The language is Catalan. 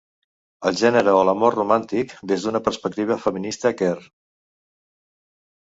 El gènere o l’amor romàntic des d’una perspectiva feminista queer.